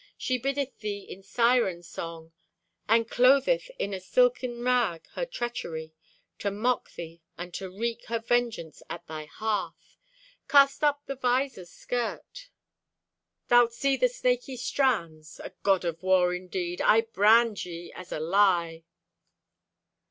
She biddeth thee in siren song, And clotheth in a silken rag her treachery, To mock thee and to wreak Her vengeance at thy hearth. Cast up the visor's skirt! Thou'lt see the snakey strands. A god of war, indeed! I brand ye as a lie!